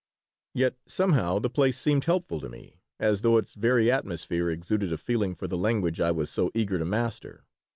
Yet, somehow, the place seemed helpful to me, as though its very atmosphere exuded a feeling for the language I was so eager to master.